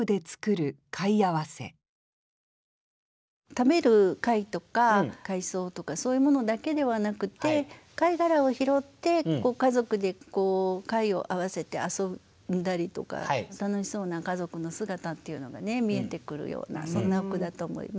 食べる貝とか海藻とかそういうものだけではなくて貝殻を拾って家族で貝を合わせて遊んだりとか楽しそうな家族の姿っていうのがね見えてくるようなそんなお句だと思います。